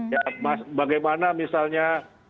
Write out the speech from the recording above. ya bagaimana misalnya